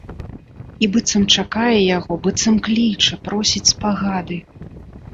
І быццам чакае яго, быццам кліча, просіць спагады.